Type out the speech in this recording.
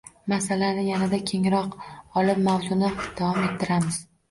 Masalani yanada kengroq olib, mavzuni davom ettiramiz.